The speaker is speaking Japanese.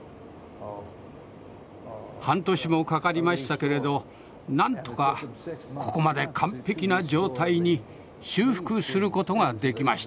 半年もかかりましたけれど何とかここまで完璧な状態に修復する事ができました。